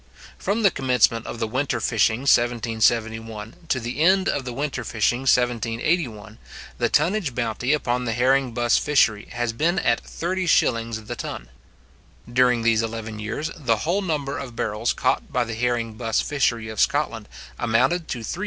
From the commencement of the winter fishing 1771, to the end of the winter fishing 1781, the tonnage bounty upon the herring buss fishery has been at thirty shillings the ton. During these eleven years, the whole number of barrels caught by the herring buss fishery of Scotland amounted to 378,347.